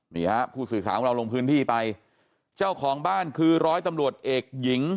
นี่ฮะผู้สื่อข่าวของเราลงพื้นที่ไปเจ้าของบ้านคือร้อยตำรวจเอกหญิง